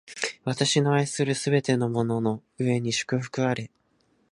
私の愛するすべてのものの上に祝福あれ！